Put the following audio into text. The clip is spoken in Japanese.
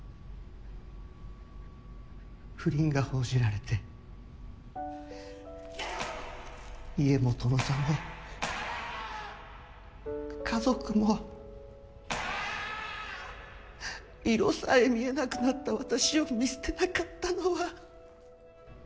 不倫が報じられて家元の座も家族も色さえ見えなくなった私を見捨てなかったのは。